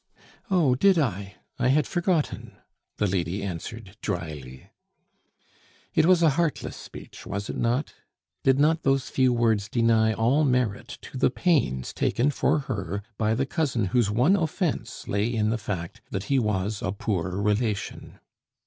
"Oh, did I? I had forgotten," the lady answered drily. It was a heartless speech, was it not? Did not those few words deny all merit to the pains taken for her by the cousin whose one offence lay in the fact that he was a poor relation?